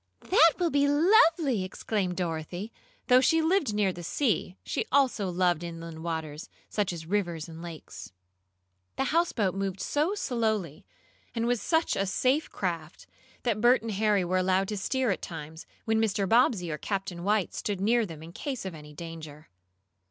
"That will be lovely!" exclaimed Dorothy. Though she lived near the sea, she also loved inland waters, such as rivers and lakes. The houseboat moved so slowly, and was such a safe craft, that Bert and Harry were allowed to steer at times, when Mr. Bobbsey or Captain White stood near them in case of any danger.